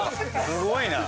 すごいな。